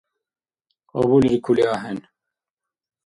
Кьабулиркули ахӀен.